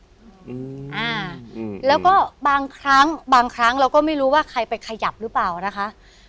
อืมอ่าอืมแล้วก็บางครั้งบางครั้งเราก็ไม่รู้ว่าใครไปขยับหรือเปล่านะคะ